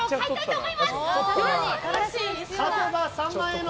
はい！